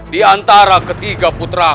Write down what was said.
di antara ketiga putra